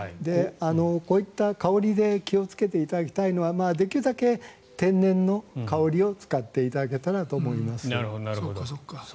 こういった香りで気をつけていただきたいのはできるだけ天然の香りを使っていただけたらと思います。